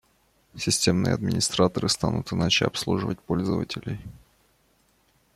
Системные администраторы станут иначе обслуживать пользователей